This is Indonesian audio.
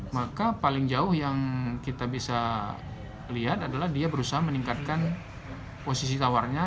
maka paling jauh yang kita bisa lihat adalah dia berusaha meningkatkan posisi tawarnya